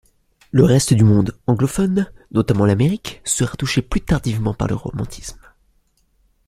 Le reste du monde anglophone, notamment l'Amérique, sera touché plus tardivement par le romantisme.